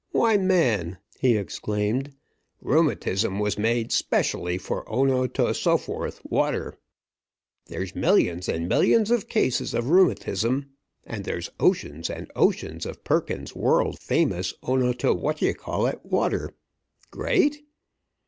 Why, man," he exclaimed, "rheumatism was made 'specially for O no to so forth water. There's millions and millions of cases of rheumatism, and there's oceans and oceans of Perkins's World Famous O no to what you call it water. Great?